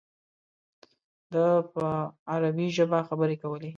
ده په عربي ژبه خبرې کولې.